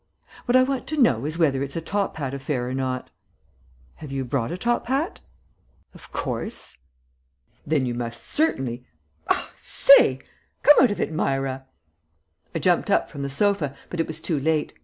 "What I want to know is whether it's a top hat affair or not?" "Have you brought a top hat?" "Of course." "Then you must certainly I say! Come out of it, Myra!" I jumped up from the sofa, but it was too late.